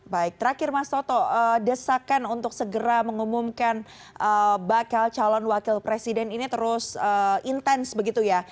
baik terakhir mas toto desakan untuk segera mengumumkan bakal calon wakil presiden ini terus intens begitu ya